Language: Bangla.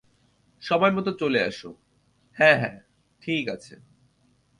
সময়মত চলে এসো - হ্যাঁ হ্যাঁ, ঠিক আছে।